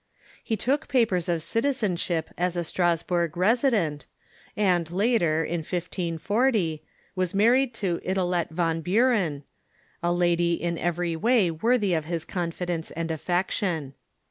He took papers of citizenship as a Strasburg resident, and, later, in lo tO, was married to Ide lette von Buren, a lady in every way worthy of his confidence and affection.